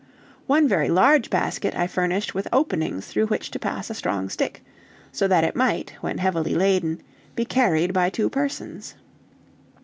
One very large basket I furnished with openings through which to pass a strong stick, so that it might, when heavily laden, be carried by two persons.